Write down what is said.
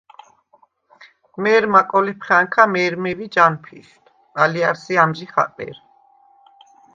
მე̄რმა კოლეფხა̈ნქა მე̄რმე ვიჯ ანფიშვდ, ალჲა̈რსი ამჟი ხაყერ.